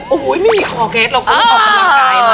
ทุ้นหนึ่งอู๋เราก็ควรขอคลังกายมาก